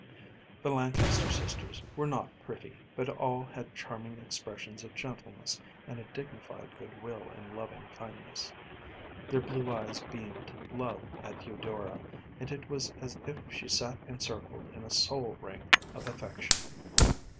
The Lancaster sisters were not pretty, but all had charming expressions of gentleness and a dignified good will and loving kindness. Their blue eyes beamed love at Eudora, and it was as if she sat encircled in a soul ring of affection.